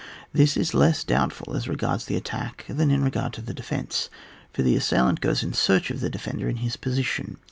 This is less doubtful as regards the at tack than in regard to the defence, for the assailant g^es in search of the de fender in his position.